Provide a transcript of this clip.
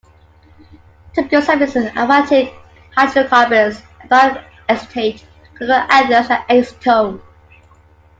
Typical solvents are aliphatic hydrocarbons, ethyl acetate, glycol ethers, and acetone.